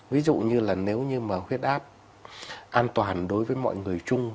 ví dụ như là nếu như mà huyết áp an toàn đối với mọi người chung